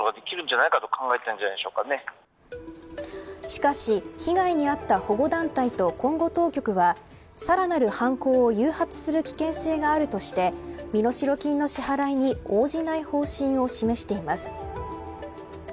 しかし被害に遭った保護団体とコンゴ当局はさらなる犯行を誘発する危険性があるとして身代金の支払いに応じない方針を示しています。